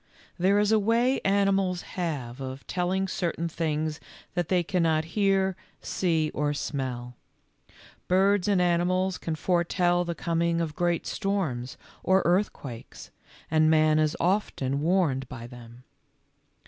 There is a way animals have of telling certain things that they cannot hear, see, or smell. Birds and animals can foretell the com ing of great storms or earthquakes, and man is often warned by them.